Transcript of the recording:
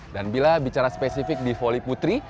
dan bila bicara spesifik di volley putri